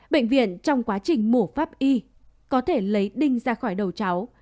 bệnh viện trong quá trình mổ pháp y có thể lấy đinh ra khỏi đầu cháu